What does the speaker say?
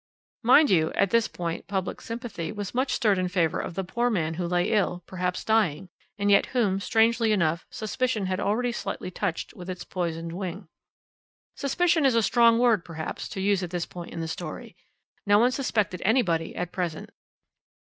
"Mind you, at this point public sympathy was much stirred in favour of the poor man who lay ill, perhaps dying, and yet whom, strangely enough, suspicion had already slightly touched with its poisoned wing. "Suspicion is a strong word, perhaps, to use at this point in the story. No one suspected anybody at present.